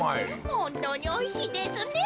ほんとうにおいしいですねえ。